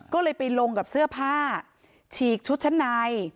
ก็เลยไปลงกับเสื้อผ้าฉีกชุดชั้นใน